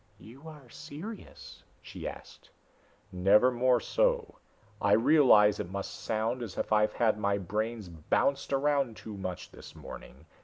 "You are serious?" she asked. "Never more so. I realize it must sound as if I've had my brains bounced around too much this morning.